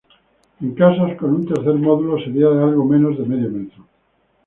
En casas con un tercer módulo sería de algo menos de medio metro.